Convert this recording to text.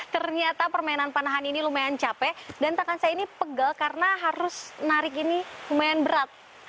ternyata permainan panahan ini lumayan capek dan tangan saya ini pegel karena harus narik ini lumayan berat